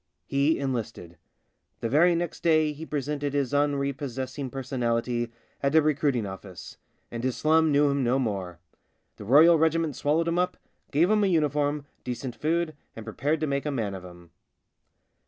He enlisted. The very next day he presented his unprepossessing personality at a recruit ing office — and his slum knew him no more. The Royal Regiment swallowed him up, gave him a uniform, decent food, and prepared to make a man of him.